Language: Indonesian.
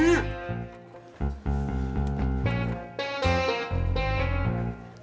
eh masuk sana